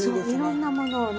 色んなものをね